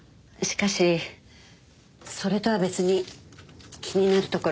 しかしそれとは別に気になるところが。